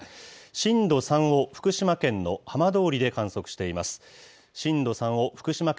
震度３を福島県の浜通りで観測しています。